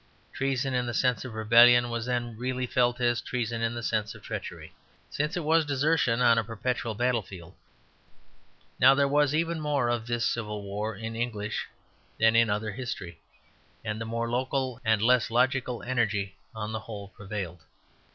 Treason in the sense of rebellion was then really felt as treason in the sense of treachery, since it was desertion on a perpetual battlefield. Now, there was even more of this civil war in English than in other history, and the more local and less logical energy on the whole prevailed.